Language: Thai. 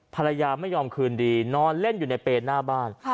ไม่ยอมคืนดีนอนเล่นอยู่ในเปรย์หน้าบ้าน